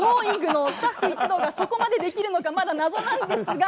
Ｇｏｉｎｇ！のスタッフ一同がそこまでできるのか、まだ謎なんですが。